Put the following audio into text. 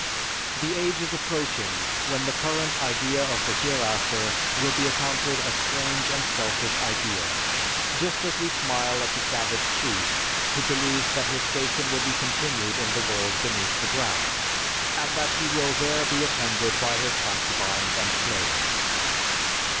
_") The age is approaching when the current idea of the hereafter will be accounted a strange and selfish idea, just as we smile at the savage chief who believes that his station will be continued in the world beneath the ground, and that he will there be attended by his concubines and slaves.